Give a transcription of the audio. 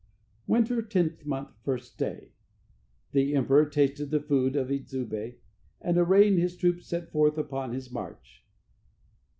Winter, 10th month, 1st day. The emperor tasted the food of the Idzube, and arraying his troops set forth upon his march.